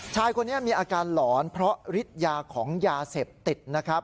ชายคนนี้มีอาการหลอนเพราะฤทธิ์ยาของยาเสพติดนะครับ